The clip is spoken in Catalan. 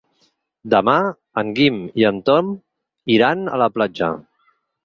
Demà en Guim i en Tom iran a la platja.